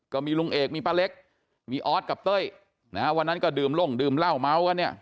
ก็มีลุงเอกมีป้าเล็กมีออสกับเต้ยนะฮะวันนั้นก็ดื่มลงดื่มเหล้าเมากันเนี่ย